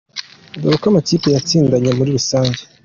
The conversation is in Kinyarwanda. Dore uko amakipe yatsindanye muri rusange.